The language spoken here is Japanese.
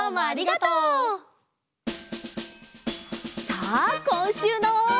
さあこんしゅうの。